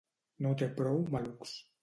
No té prou malucs.